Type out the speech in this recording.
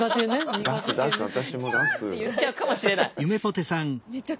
「キャー」って言っちゃうかもしれない。